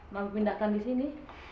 mau pindahkan disini